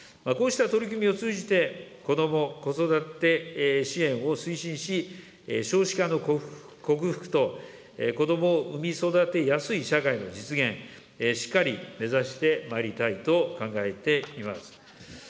こうした取り組みを通じて、子ども、子育て支援を推進し、少子化の克服と、子どもを産み育てやすい社会の実現、しっかり目指してまいりたいと考えています。